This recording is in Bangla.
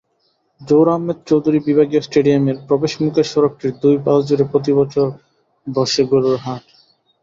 জহুর আহমেদ চৌধুরী বিভাগীয় স্টেডিয়ামের প্রবেশমুখের সড়কটির দুই পাশজুড়ে প্রতিবছর বসে গরুর হাট।